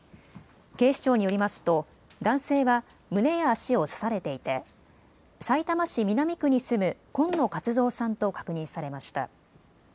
警視庁によりますと男性は胸や足を刺されていてさいたま市南区に住む今野勝蔵さんと確認されました。